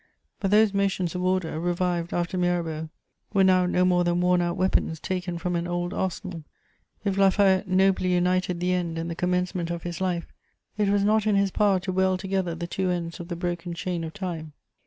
But those motions of order, revived after Mirabeau, were now no more than worn out weapons taken from an old arsenal. If La Fayette nobly united the end and the commencement of his life, it was not in his power to weld together the two ends of the broken chain of time.